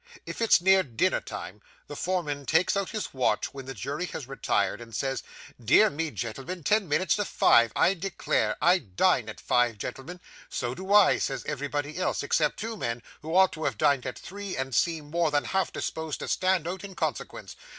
If it's near dinner time, the foreman takes out his watch when the jury has retired, and says, "Dear me, gentlemen, ten minutes to five, I declare! I dine at five, gentlemen." "So do I," says everybody else, except two men who ought to have dined at three and seem more than half disposed to stand out in consequence.